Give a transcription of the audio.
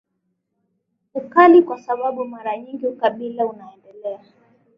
ukali kwa sababu mara nyingi ukabila unaendelea